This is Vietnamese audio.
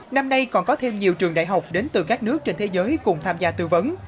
năm nay còn có thêm nhiều trường đại học đến từ các nước trên thế giới cùng tham gia tư vấn